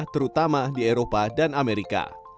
terutama di eropa dan amerika